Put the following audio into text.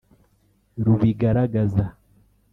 rubigaragaza